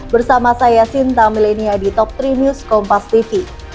bersama saya sinta milenia di top tiga news kompas tv